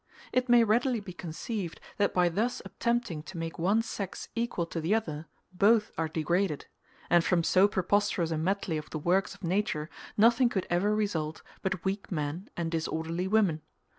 It may readily be conceived, that by thus attempting to make one sex equal to the other, both are degraded; and from so preposterous a medley of the works of nature nothing could ever result but weak men and disorderly women.